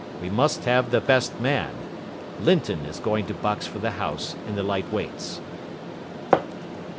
We must have the best man. Linton is going to box for the House in the Light Weights."